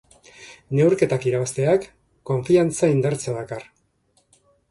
Neurketak irabazteak konfiantza indartzea dakar.